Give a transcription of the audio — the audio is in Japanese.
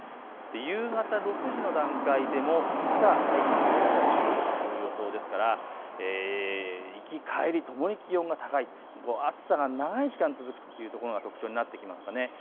夕方６時の段階でもまださいたまは３５度という予想ですから行き帰りともに気温が高い、暑さが長い時間、続くというところが特徴になってきますかね。